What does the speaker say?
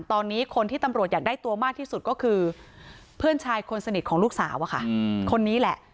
ตอนนี้คนที่ตำรวจอยากได้ตัวมากที่สุดก็คือเพื่อนชายคนสนิทของลูกสาวคนนี้แหละ